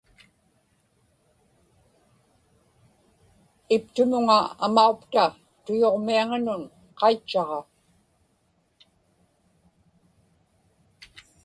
iptumuŋa amaupta tuyuġmiaŋanun qaitchaġa